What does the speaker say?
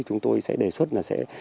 chúng tôi sẽ đề xuất là sẽ